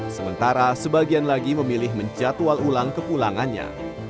sementara sebagian lagi memilih menjatual ulang kepulangannya